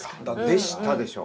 「でした」でしょ。